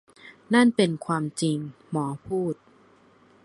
นั่นเป็นความจริงหมอพูด